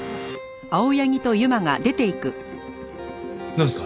なんですか？